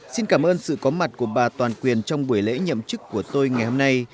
xin cảm ơn sự có mặt của bà toàn quyền trong buổi lễ nhậm chức của tôi ngày hôm nay